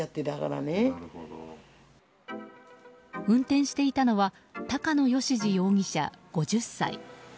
運転していたのは高野吉樹容疑者、５０歳。